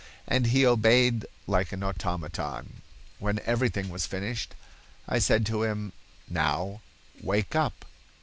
and he obeyed like an automaton. When everything was finished, I said to him, 'Now, wake up.